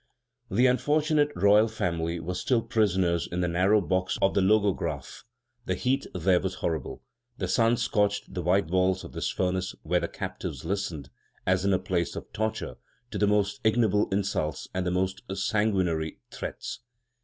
The unfortunate royal family were still prisoners in the narrow box of the Logographe. The heat there was horrible: the sun scorched the white walls of this furnace where the captives listened, as in a place of torture, to the most ignoble insults and the most sanguinary threats.